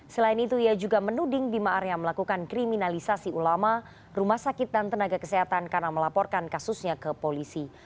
selain itu ia juga menuding bima arya melakukan kriminalisasi ulama rumah sakit dan tenaga kesehatan karena melaporkan kasusnya ke polisi